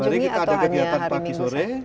setiap hari kita ada kegiatan pagi sore